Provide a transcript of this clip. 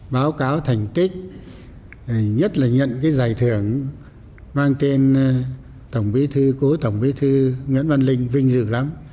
báo cáo thành tích nhất là nhận cái giải thưởng mang tên tổng bí thư cố tổng bí thư nguyễn văn linh vinh dự lắm